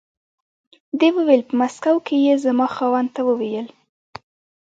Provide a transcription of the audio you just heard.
دې وویل په مسکو کې یې زما خاوند ته و ویل.